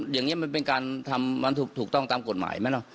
อย่างนี้มันเป็นการทำมันถูกต้องตามกฎหมายไหมเนาะ